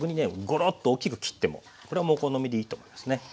ごろっと大きく切ってもこれはお好みでいいと思いますね。